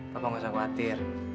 papa gak usah khawatir